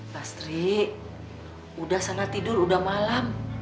pastri udah sana tidur udah malam